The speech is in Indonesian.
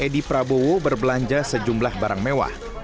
edi prabowo berbelanja sejumlah barang mewah